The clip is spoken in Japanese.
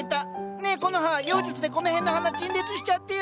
ねえコノハ妖術でこの辺の花陳列しちゃってよ！